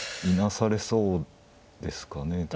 いなされそうですかね